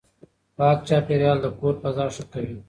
پاک چاپېريال کور فضا ښه کوي.